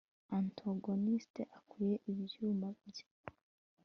Antagonist akwiye ibyuma bye